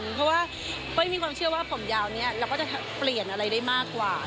เพราะว่าเป้ยมีความเชื่อว่าผมยาวนี้เราก็จะเปลี่ยนอะไรได้มากกว่า